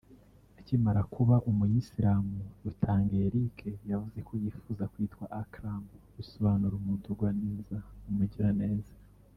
Akimara kuba Umuyisilamu Rutanga Eric yavuze ko yifuza kwitwa “Akram” bisobanura umuntu ugwa neza "umugiraneza”